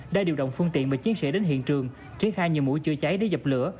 đã điều động phương tiện và chiến sĩ đến hiện trường triển khai nhiều mũi chữa cháy để dập lửa